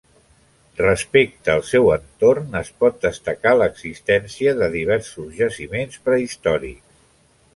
Respecte al seu entorn, es pot destacar l'existència de diversos jaciments prehistòrics.